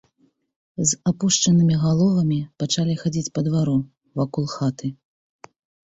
З апушчанымі галовамі пачалі хадзіць па двару, вакол хаты.